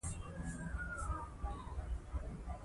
افغانستان د زراعت له پلوه یو متنوع هېواد دی.